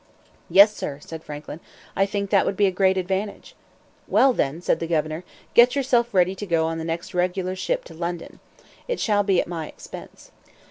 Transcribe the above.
"Yes, sir," said Franklin, "I think that would be a great advantage." "Well, then," said the governor, "get yourself ready to go on the next regular ship to London. It shall be at my expense."